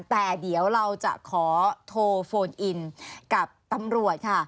แต่เดี๋ยวเราจะขอโทรโฟนอินกับตำรวจค่ะ